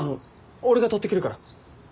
俺が取ってくるから。